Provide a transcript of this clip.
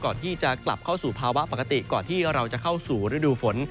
ก่อนที่จะกลับเข้าสู่ภาวะปกติก่อนที่เราจะเข้าสู่ฤดูฝน